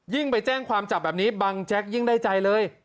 ไปแจ้งความจับแบบนี้บังแจ๊กยิ่งได้ใจเลย